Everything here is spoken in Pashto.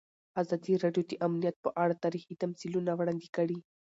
ازادي راډیو د امنیت په اړه تاریخي تمثیلونه وړاندې کړي.